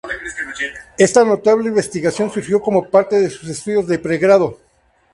Esta notable investigación surgió como parte de sus estudios de pregrado.